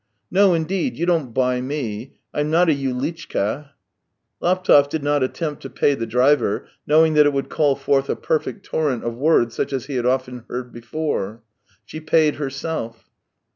No. indeed, you don't buy me ! I'm not a Yuhtchka !" Laptev did not attempt to pay the driver, knowing that it would call forth a perfect torrent of words, such as he had often heard before. She paid herself.